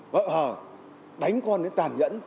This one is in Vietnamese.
vợ hờ đánh con đến tàn nhẫn